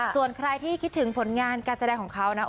ส่วนใครที่คิดถึงผลงานการแสดงของเขานะ